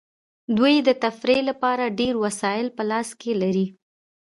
دوی د تفریح لپاره ډیر وسایل په لاس کې لري